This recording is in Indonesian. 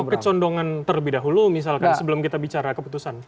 atau kecondongan terlebih dahulu misalkan sebelum kita bicara keputusan